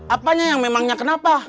apanya yang memangnya kenapa